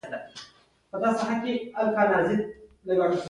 د صنعت سکتور ته د سرچینو په بېلولو سره کېدای شوای.